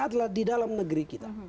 adalah di dalam negeri kita